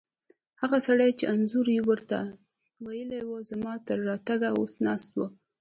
هغه سړی چې انځور ور ته ویلي وو، زما تر راتګه اوسه ناست و.